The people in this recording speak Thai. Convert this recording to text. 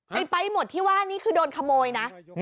ไปหมดที่ว่านี่คือโดนขโมยนะ